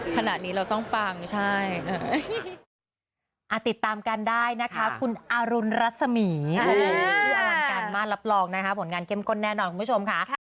ขณะนี้เราต้องปลาไม่ใช่